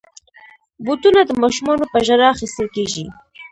بوټونه د ماشومانو په ژړا اخیستل کېږي.